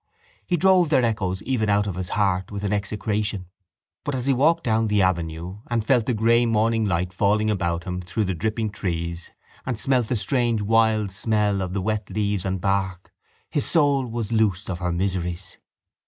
He drove their echoes even out of his heart with an execration; but, as he walked down the avenue and felt the grey morning light falling about him through the dripping trees and smelt the strange wild smell of the wet leaves and bark, his soul was loosed of her miseries.